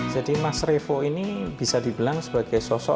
jadi mas revo ini bisa dibilang sebagai sosok sempurna